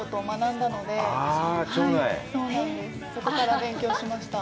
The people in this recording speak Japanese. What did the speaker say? そこから勉強しました。